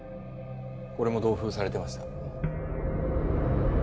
これも同封されてました。